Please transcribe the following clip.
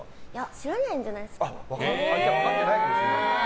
知らないんじゃないですかね。